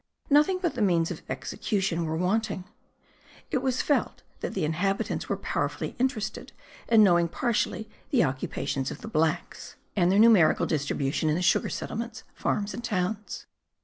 Nothing but the means of execution were wanting. It was felt that the inhabitants were powerfully interested in knowing partially the occupations of the blacks, and their numerical distribution in the sugar settlements, farms and towns.